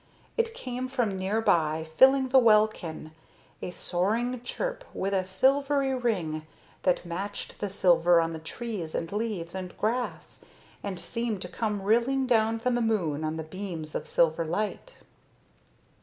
It came from nearby, filling the welkin, a soaring chirp with a silvery ring that matched the silver on the trees and leaves and grass and seemed to come rilling down from the moon on the beams of silver light.